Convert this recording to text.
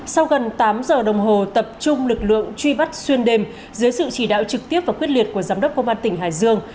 sau gần tám giờ đồng hồ tập trung lực lượng truy bắt xuyên đêm dưới sự chỉ đạo trực tiếp và quyết liệt của giám đốc công an tỉnh hải dương